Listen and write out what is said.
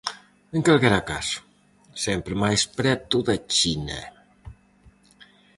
En calquera caso, sempre máis preto da China.